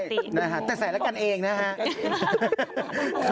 อ๋อใช่แต่ใส่แล้วกันเองนะฮะ